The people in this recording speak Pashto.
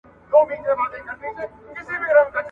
مرگ په ماړه نس ښه خوند کوي.